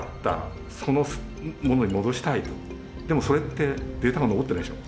でもそれってデータが残ってないでしょ